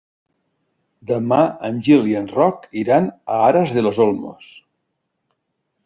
Demà en Gil i en Roc iran a Aras de los Olmos.